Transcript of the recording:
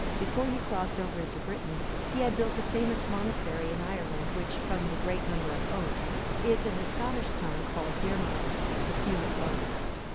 (305) Before he crossed over into Britain, he had built a famous monastery in Ireland, which, from the great number of oaks, is in the Scottish tongue called Dearmach—The Field of Oaks.